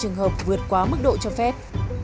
nhưng chỉ có ba trường hợp vượt quá mức độ cho phép